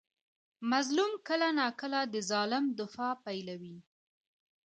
مظلوم کله ناکله د ظالم دفاع پیلوي.